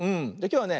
きょうはね